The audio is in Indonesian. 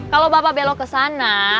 kalau bapak belok ke sana